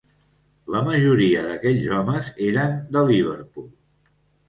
La majoria d'aquells homes eren de Liverpool.